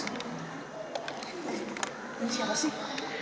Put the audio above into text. ini siapa sih